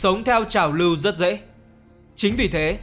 sống theo trào lưu rất dễ chính vì thế